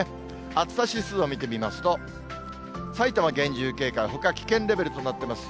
暑さ指数を見てみますと、埼玉、厳重警戒、ほか、危険レベルとなってます。